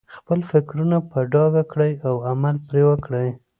خپل فکرونه په ډاګه کړئ او عمل پرې وکړئ.